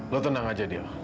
lo tenang aja dio